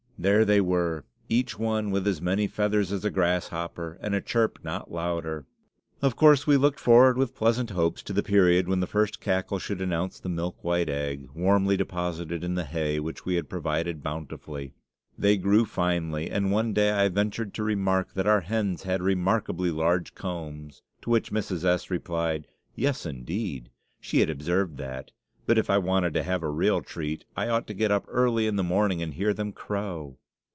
There they were, each one with as many feathers as a grasshopper, and a chirp not louder. Of course, we looked forward with pleasant hopes to the period when the first cackle should announce the milk white egg, warmly deposited in the hay which we had provided bountifully. They grew finely, and one day I ventured to remark that our hens had remarkably large combs, to which Mrs. S. replied, "Yes, indeed, she had observed that; but if I wanted to have a real treat I ought to get up early in the morning and hear them crow."